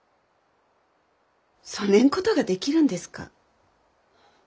そねんことができるんですか？